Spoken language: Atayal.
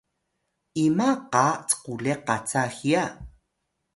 ima qa cquliq qaca hiya?